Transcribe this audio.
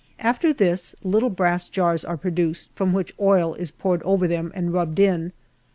After this, little brass jars are produced, from which oil is poured over them and rubbed in.